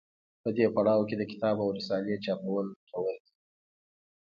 په دې پړاو کې د کتاب او رسالې چاپول ګټور دي.